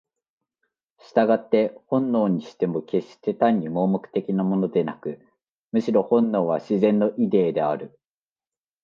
従って本能にしても決して単に盲目的なものでなく、むしろ本能は「自然のイデー」である。